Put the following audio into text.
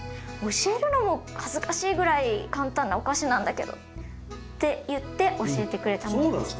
教えるのも恥ずかしいぐらい簡単なお菓子なんだけど」って言って教えてくれたものです。